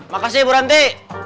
makasih bu ranti